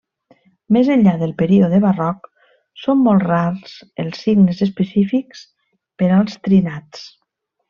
Més enllà del període Barroc són molt rars els signes específics per als trinats.